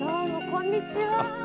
こんにちは。